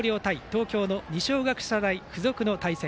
東京の二松学舎大付属の対戦。